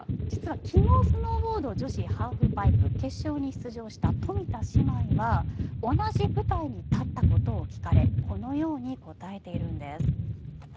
実は昨日、スノーボード女子ハーフパイプ決勝に出場した冨田姉妹は同じ舞台に立ったことを聞かれこのように答えているんです。